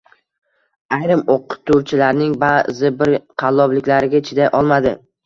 Ayrim o‘qituvchilarning ba’zi bir qallobliklariga chiday olmadi.